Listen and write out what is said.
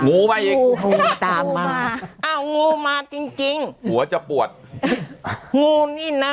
หนูไปอีกหนูตามมาเอางูมาจริงหัวจะปวดหนูนี่น่ะ